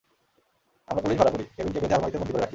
আমরা পুলিশ ভাড়া করি, কেভিনকে বেঁধে আলমারিতে বন্দি করে রাখি।